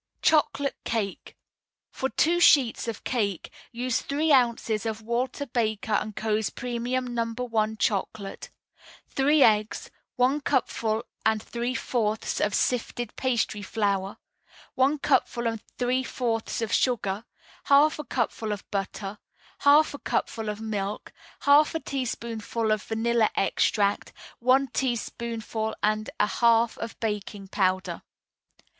CHOCOLATE CAKE For two sheets of cake, use three ounces of Walter Baker & Co.'s Premium No. 1 Chocolate, three eggs, one cupful and three fourths of sifted pastry flour, one cupful and three fourths of sugar, half a cupful of butter, half a cupful of milk, half a teaspoonful of vanilla extract, one teaspoonful and a half of baking powder.